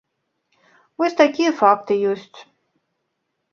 Вось такія факты ёсць.